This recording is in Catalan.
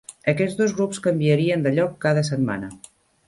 Aquests dos grups canviarien de lloc cada setmana.